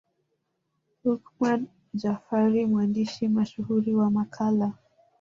Luqman Jafari mwandishi mashuhuri wa Makala